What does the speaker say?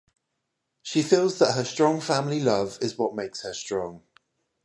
She feels that her strong family love is what makes her strong.